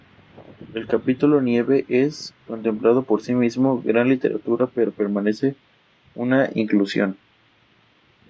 El capítulo "Nieve" es, contemplado por sí mismo, gran literatura, pero permanece una inclusión.